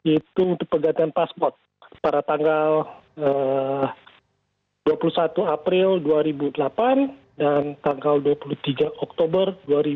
itu untuk pegantian pasport pada tanggal dua puluh satu april dua ribu delapan dan tanggal dua puluh tiga oktober dua ribu dua puluh